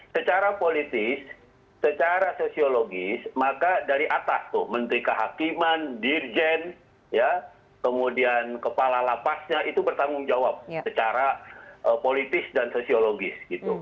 secara politis secara sosiologis maka dari atas tuh menteri kehakiman dirjen kemudian kepala lapasnya itu bertanggung jawab secara politis dan sosiologis